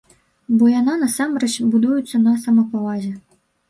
Бо яна насамрэч будуецца на самапавазе.